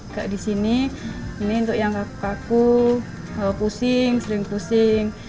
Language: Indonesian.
kayak di sini ini untuk yang kaku kaku pusing sering pusing